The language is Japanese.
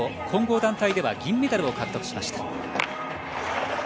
混合団体では銀メダルを獲得しました。